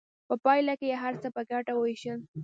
په پایله کې به یې هر څه په ګډه ویشل.